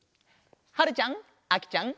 はるちゃんあきちゃん